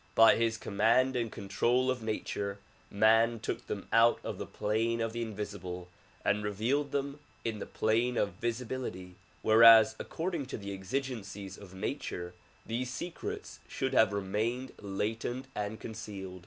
By his command and control of nature man took them out of the plane of the invisible and revealed them in the plane of visibility whereas according to the exigencies of nature these secrets should have remained latent and concealed.